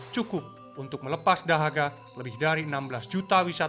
cukup untuk melepas dahaga lebih dari enam belas juta wisatawan